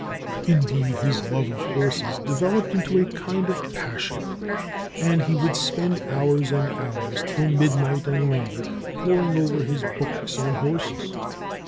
Indeed, his love of his horses developed into a kind of passion. And he would spend hours and hours till midnight, and longer, poring over his books on horses.